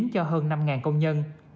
cho hơn năm công nhân